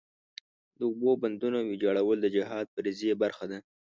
د اوبو بندونو ویجاړول د جهاد فریضې برخه ده.